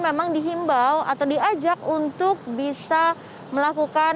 memang dihimbau atau diajak untuk bisa melakukan